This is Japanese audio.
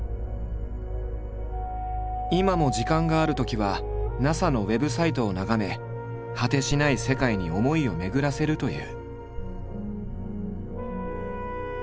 今も時間があるときはＮＡＳＡのウェブサイトを眺め果てしない世界に思いを巡らせるという。